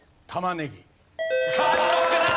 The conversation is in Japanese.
貫禄だ！